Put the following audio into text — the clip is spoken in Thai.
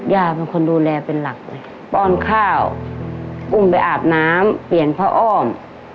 ย่าเป็นคนดูแลเป็นหลักเลยป้อนข้าวอุ้มไปอาบน้ำเปลี่ยนพระอ้อม